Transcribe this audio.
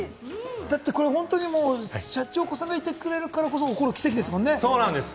だってこれ、シャチホコさんがいてくれるからこその奇跡ですもんそうなんです。